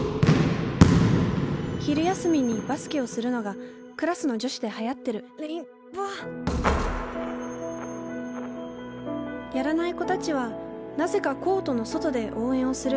昼休みにバスケをするのがクラスの女子ではやってるやらない子たちはなぜかコートの外で応援をする。